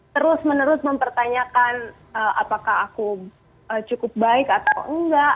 terus menerus mempertanyakan apakah aku cukup baik atau enggak